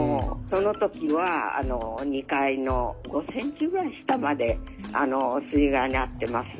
その時は２階の５ｃｍぐらい下まで水害に遭ってます。